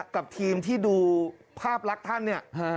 กับทีมที่ดูภาพลักษณ์ท่านเนี่ย